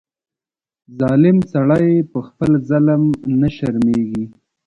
ظالم سړی په خپل ظلم نه شرمېږي.